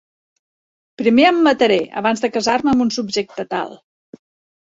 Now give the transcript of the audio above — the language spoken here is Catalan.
Primer em mataré, abans de casar-me amb un subjecte tal.